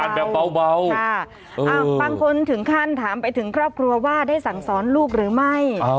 แบบเบาบางคนถึงขั้นถามไปถึงครอบครัวว่าได้สั่งสอนลูกหรือไม่